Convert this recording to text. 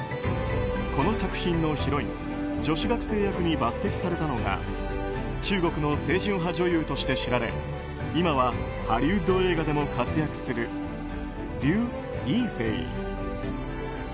この作品のヒロイン女子学生役に抜擢されたのが中国の清純派女優として知られ今はハリウッド映画でも活躍するリウ・イーフェイ。